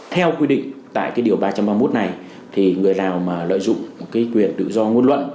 theo quy định tại điều ba trăm ba mươi một này người nào lợi dụng quyền tự do ngôn luận